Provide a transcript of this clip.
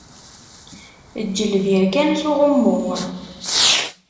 Eǧǧ lbir kan s uɣummu.